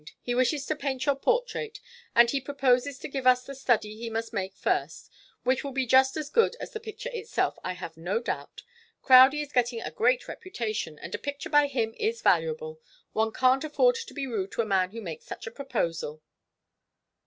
He wishes to paint your portrait, and he proposes to give us the study he must make first, which will be just as good as the picture itself, I have no doubt. Crowdie is getting a great reputation, and a picture by him is valuable. One can't afford to be rude to a man who makes such a proposal."